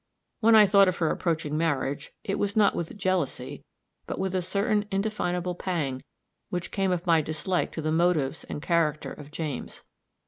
When I thought of her approaching marriage, it was not with jealousy, but with a certain indefinable pang which came of my dislike to the motives and character of James.